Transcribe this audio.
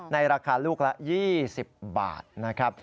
ในราคาลูกละ๒๐บาทนะครับ